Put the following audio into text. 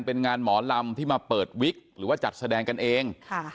เป็นงานหมอลำที่มาเปิดวิกหรือว่าจัดแสดงกันเอง